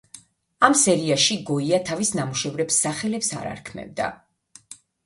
ამ სერიაში გოია თავის ნამუშევრებს სახელებს არ არქმევდა.